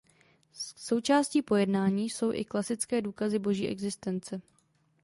Součástí pojednání jsou i klasické důkazy Boží existence.